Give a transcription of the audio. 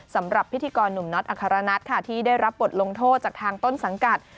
สำหรับพิธีกรหนุ่มน็อตอัครนัทค่ะที่ได้รับบทลงโทษจากทางต้นสังกัด